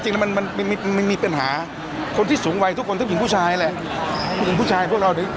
จริงแล้วเขาไม่ได้บูรีผมว่าเขาอยากจะหยอกผมมากกว่าแฟนคลับผมครับ